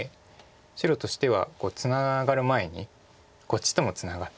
白としてはツナがる前にこっちともツナがって。